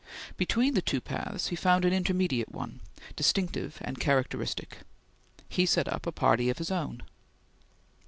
Between the two paths he found an intermediate one, distinctive and characteristic he set up a party of his own.